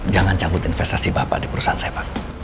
jangan cabut investasi bapak di perusahaan saya pak